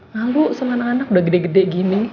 malu sama anak anak udah gede gede gini